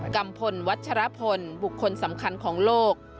กัมพลวัชรพลบุคคลสำคัญของโลก